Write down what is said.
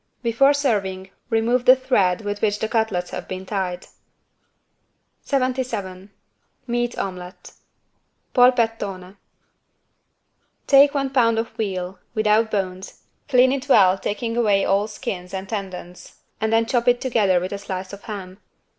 Before serving, remove the thread with which the cutlets have been tied. 77 MEAT OMELETTE (Polpettone) Take one pound of veal, without bones, clean it well taking away all skins and tendons and then chop it together with a slice of ham.